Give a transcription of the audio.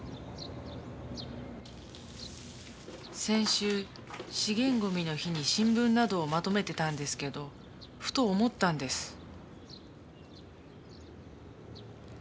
先週資源ごみの日に新聞などをまとめてたんですけどふと思ったんです。